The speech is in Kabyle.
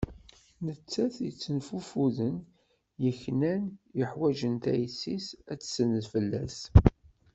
Nettat yettenfufuden, yeknan, yuḥwaǧen tayet-is ad tsened fell-as.